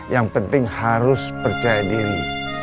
yang penting harus percaya diri